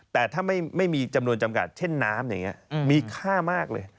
แต่ถ้าไม่มีจำนวนจำกัดเช่นน้ำอย่างนี้มีค่ามากเลย